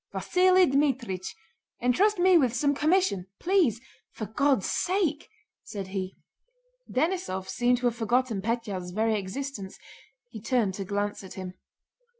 "Vasíli Dmítrich, entrust me with some commission! Please... for God's sake...!" said he. Denísov seemed to have forgotten Pétya's very existence. He turned to glance at him.